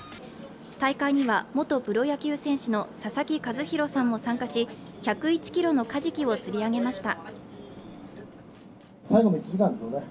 大会には元プロ野球選手の佐々木主浩さんも参加し１０１ｋｇのカジキを釣り上げました。